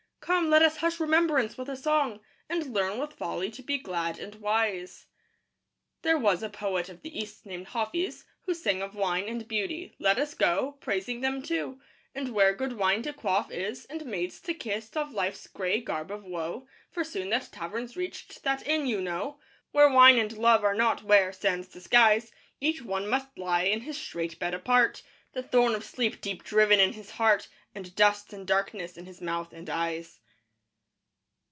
Come! let us hush remembrance with a song, And learn with folly to be glad and wise. III There was a poet of the East named Hâfiz, Who sang of wine and beauty. Let us go Praising them, too. And where good wine to quaff is And maids to kiss, doff life's gray garb of woe; For soon that tavern's reached, that inn, you know, Where wine and love are not; where, sans disguise, Each one must lie in his strait bed apart, The thorn of sleep deep driven in his heart, And dust and darkness in his mouth and eyes.